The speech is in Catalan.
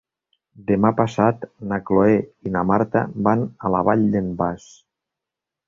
Demà passat na Cloè i na Marta van a la Vall d'en Bas.